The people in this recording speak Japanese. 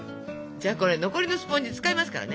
じゃあこれ残りのスポンジ使いますからね。